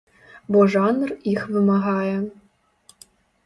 Бо жанр іх вымагае.